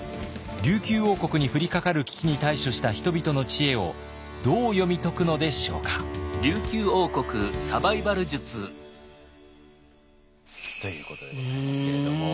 琉球王国に降りかかる危機に対処した人々の知恵をどう読み解くのでしょうか？ということでございますけれども。